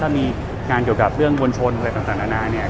ถ้ามีงานเกี่ยวกับเรื่องมวลชนอะไรต่างนานาเนี่ย